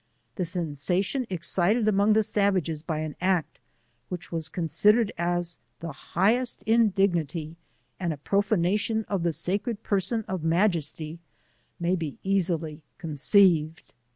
The sensation excited among the sava ges by an act, which was considered as the highest indignity, and a profanation of the sacred person of majesty, may be easily conceived.